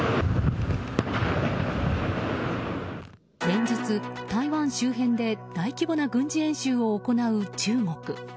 連日、台湾周辺で大規模な軍事演習を行う中国。